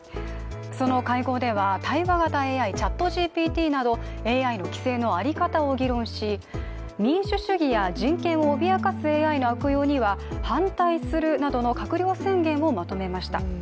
その会合では、対話型ＡＩ・ＣｈａｔＧＰＴなどＡＩの規制の在り方を議論し民主主義や人権を脅かすＡＩの悪用には反対するなどの閣僚宣言をまとめました。